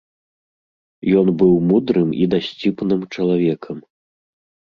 Ён быў мудрым і дасціпным чалавекам.